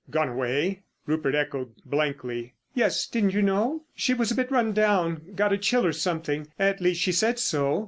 "Gone away," Rupert echoed blankly. "Yes; didn't you know? She was a bit run down. Got a chill or something—at least, she said so!